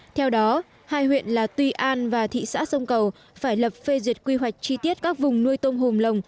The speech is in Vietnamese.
theo đó hai huyện là tuy an và thị xã sông cầu phải lập phê duyệt quy hoạch chi tiết các vùng nuôi tôm hùm lồng